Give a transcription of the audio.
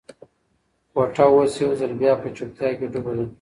کوټه اوس یو ځل بیا په چوپتیا کې ډوبه ده.